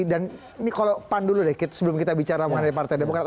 dan ini kalau pan dulu deh sebelum kita bicara mengenai partai demokrat